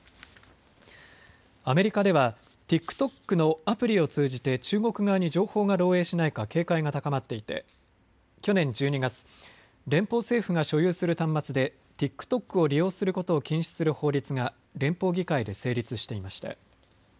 アメリカではＴｉｋＴｏｋのアプリを通じて中国側に情報が漏えいしないか警戒が高まっていて去年１２月、連邦政府が所有する端末でＴｉｋＴｏｋを利用することを禁止する法律が連邦議会で成立していました。